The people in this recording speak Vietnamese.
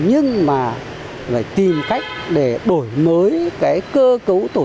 nhưng mà phải tìm cách để đổi mới cái cơ cấu tổ chức của lễ hội